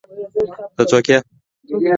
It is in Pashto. ته څوک ېې